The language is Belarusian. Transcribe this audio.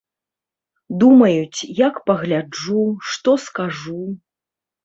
Думаюць, як пагляджу, што скажу.